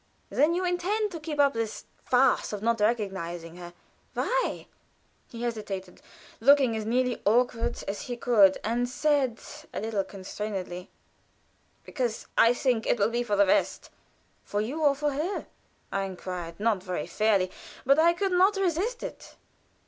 Then you intend to keep up this farce of not recognizing her. Why?" He hesitated, looked as nearly awkward as he could, and said, a little constrainedly: "Because I think it will be for the best." "For you or for her?" I inquired, not very fairly, but I could not resist it.